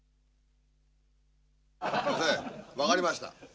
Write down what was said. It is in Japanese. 先生分かりました。